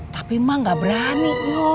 tapi ma gak berani